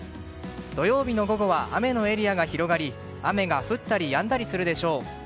土曜日の午後は雨のエリアが広がり雨が降ったりやんだりするでしょう。